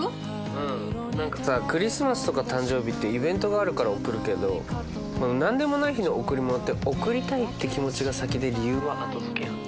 うんなんかさクリスマスとか誕生日ってイベントがあるから贈るけどなんでもない日の贈り物って『贈りたい』って気持ちが先で理由は後付けやん？